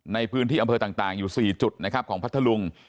ในพื้นที่อำเภอต่างอยู่๔จุดนะครับของพัทธลุง